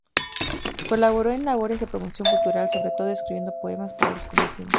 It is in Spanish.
Colaboró en labores de promoción cultural, sobre todo escribiendo poemas para los combatientes.